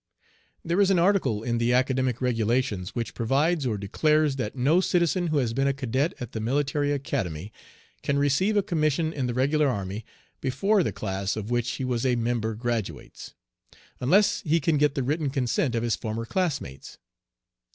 There is an article in the academic regulations which provides or declares that no citizen who has been a cadet at the Military Academy can receive a commission in the regular army before the class of which he was a member graduates, unless he can get the written consent of his former classmates.